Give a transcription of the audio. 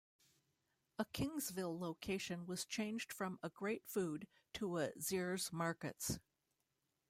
A Kingsville location was changed from a Greatfood to a Zehrs Markets.